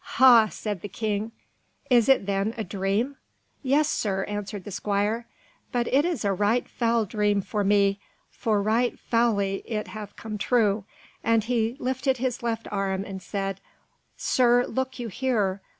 "Ha," said the king, "is it, then, a dream?" "Yes, Sir," answered the squire, "but it is a right foul dream for me, for right foully it hath come true," and he lifted his left arm, and said, "Sir, look you here!